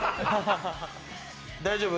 大丈夫？